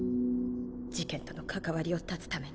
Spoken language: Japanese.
事件との関わりを絶つために。